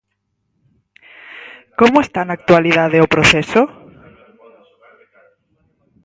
Como está na actualidade o proceso?